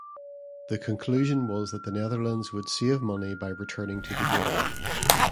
The conclusion was that the Netherlands would save money by returning to the Guilder.